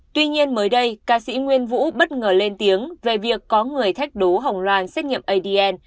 tuy nhiên mới đây ca sĩ nguyên vũ bất ngờ lên tiếng về việc có người thách đố hồng loan xét nghiệm adn